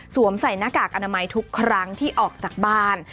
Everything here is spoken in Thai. ใส่หน้ากากอนามัยทุกครั้งที่ออกจากบ้าน